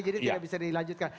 jadi tidak bisa dilanjutkan